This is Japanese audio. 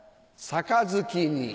杯に。